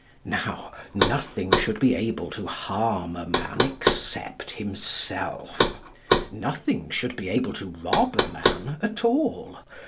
Now, nothing should be able to harm a man except himself. Nothing should be able to rob a man at all.